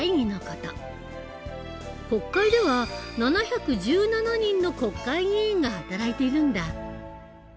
国会では７１７人の国会議員が働いているんだ。